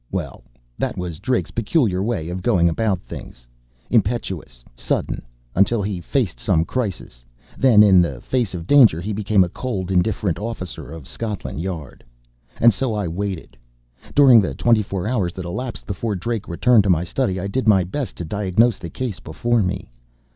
Well, that was Drake's peculiar way of going about things. Impetuous, sudden until he faced some crisis. Then, in the face of danger, he became a cold, indifferent officer of Scotland Yard. And so I waited. During the twenty four hours that elapsed before Drake returned to my study, I did my best to diagnose the case before me.